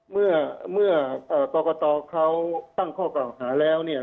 เมื่อปกติเขาตั้งข้อเก่าหาแล้ว